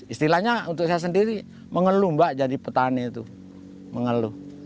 istilahnya untuk saya sendiri mengeluh mbak jadi petani itu mengeluh